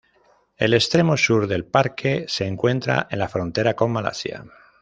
El extremo sur del parque se encuentra en la frontera con Malasia.